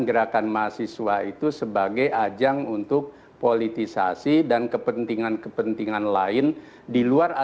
bersama bapak bapak sekalian